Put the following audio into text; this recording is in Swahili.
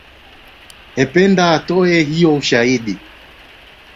ependa atoe hiyo ushahidi